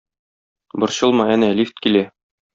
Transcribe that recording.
Борчылма, әнә, лифт килә.